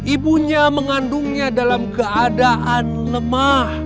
ibunya mengandungnya dalam keadaan lemah